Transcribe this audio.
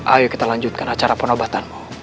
ayo kita lanjutkan acara penobatan